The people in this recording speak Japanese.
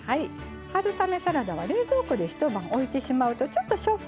春雨サラダは冷蔵庫で一晩置いてしまうとちょっと食感がね